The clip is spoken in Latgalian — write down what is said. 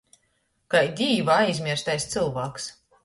Kai Dīva aizmierstais cylvāks.